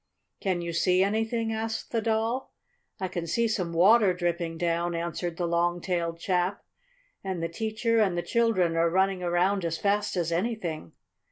"Can you see anything?" asked the Doll. "I can see some water dripping down," answered the long tailed chap, "and the teacher and the children are running around as fast as anything."